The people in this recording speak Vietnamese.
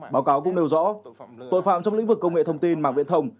báo cáo cũng nêu rõ tội phạm trong lĩnh vực công nghệ thông tin mạng viện thông